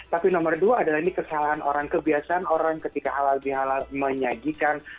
tapi nomor dua adalah ini kesalahan orang kebiasaan orang ketika halal bihalal menyajikan